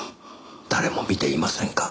誰も見ていませんか？